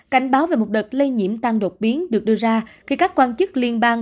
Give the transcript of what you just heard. cảnh báo về một đợt lây nhiễm tăng đột biến được đưa ra khi các quan chức liên bang